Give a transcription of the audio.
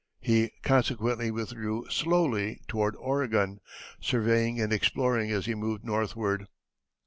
He consequently withdrew slowly toward Oregon, surveying and exploring as he moved northward.